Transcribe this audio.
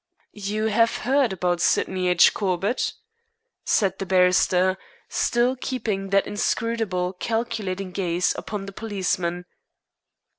"You have heard about Sydney H. Corbett?" said the barrister, still keeping that inscrutable, calculating gaze upon the policeman.